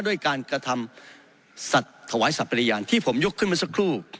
ด้วยการกระทำสัตว์ถวายสัตว์ปฏิญาณที่ผมยกขึ้นมาสักครู่